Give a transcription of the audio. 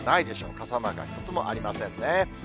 傘マークは一つもありませんね。